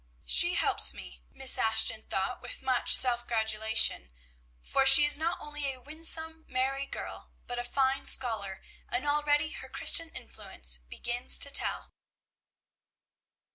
"She helps me," Miss Ashton thought with much self gratulation, "for she is not only a winsome, merry girl, but a fine scholar, and already her Christian influence begins to tell."